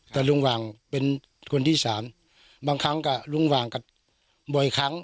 แต่ลุงหวังเป็นคนที่๓บางครั้งก็ลุงหวังก็บ่อยครั้ง